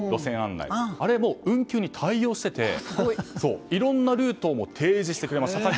あれも運休に対応していていろいろなルートを提示してくれました。